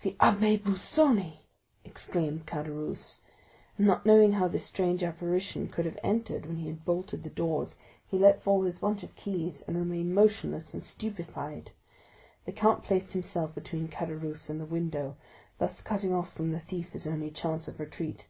40156m "The Abbé Busoni!" exclaimed Caderousse; and, not knowing how this strange apparition could have entered when he had bolted the doors, he let fall his bunch of keys, and remained motionless and stupefied. The count placed himself between Caderousse and the window, thus cutting off from the thief his only chance of retreat.